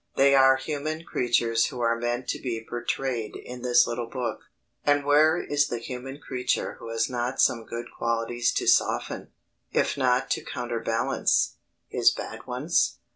They are human creatures who are meant to be portrayed in this little book: and where is the human creature who has not some good qualities to soften, if not to counterbalance, his bad ones?